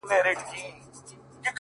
که ټوله ژوند په تنهايۍ کي تېر کړم ـ